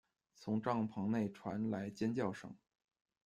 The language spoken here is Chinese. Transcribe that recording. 从帐篷内传来尖叫声